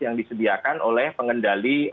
yang disediakan oleh pengendali